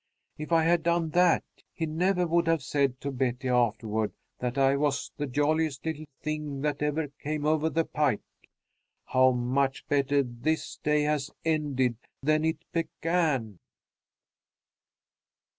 If I had done that, he never would have said to Betty afterward that I was the jolliest little thing that ever came over the pike. How much better this day has ended than it began."